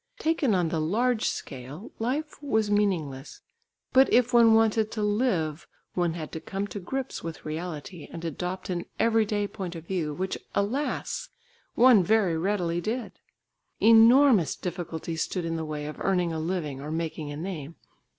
Taken on the large scale, life was meaningless, but if one wanted to live, one had to come to grips with reality, and adopt an everyday point of view, which alas! one very readily did. Enormous difficulties stood in the way of earning a living or making a name.